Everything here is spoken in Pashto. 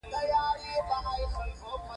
د توشیح ادبي صنعت تر سرلیک لاندې.